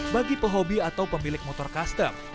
bagi pehobi atau pemilik motor custom